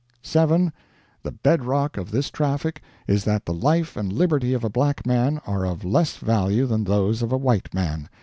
"7. The bed rock of this Traffic is that the life and liberty of a black man are of less value than those of a white man.